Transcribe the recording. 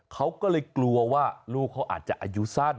เขาก็เลยกลัวว่าลูกเขาอาจจะอายุสั้น